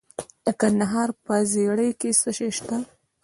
د کندهار په ژیړۍ کې څه شی شته؟